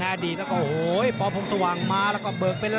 มันมีรายการมวยนัดใหญ่อยู่นัดอยู่นัดอยู่นัด